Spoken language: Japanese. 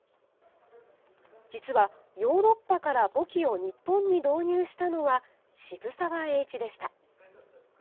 実はヨーロッパから簿記を日本に導入したのは渋沢栄一でした。